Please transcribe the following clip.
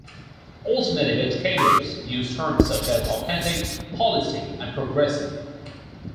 Alternative educators use terms such as "authentic", "holistic" and "progressive".